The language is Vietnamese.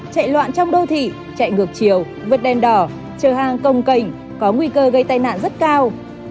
chạy loạn trong đô thị chạy ngược chiều vượt đèn đỏ chờ hàng công cảnh có nguy cơ gây tai nạn rất cao